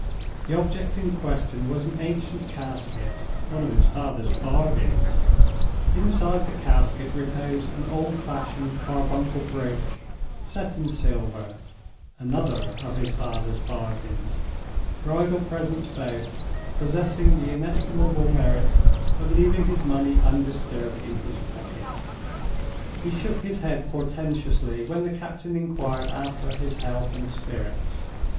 The object in question was an ancient casket (one of his father's bargains); inside the casket reposed an old fashioned carbuncle brooch, set in silver (another of his father's bargains)—bridal presents both, possessing the inestimable merit of leaving his money undisturbed in his pocket. He shook his head portentously when the captain inquired after his health and spirits.